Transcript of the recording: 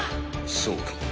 そうか。